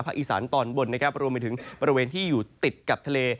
ภศวิสานตอนบนรวมไปถึงบริเวณที่อยู่ติดกับทะเล